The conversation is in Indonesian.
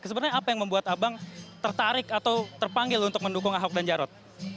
sebenarnya apa yang membuat abang tertarik atau terpanggil untuk mendukung ahok dan jarot